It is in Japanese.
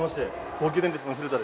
東急電鉄の古田です。